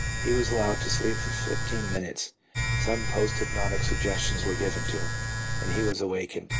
He was allowed to sleep for fifteen minutes, some post hypnotic suggestions were given to him, and he was awakened.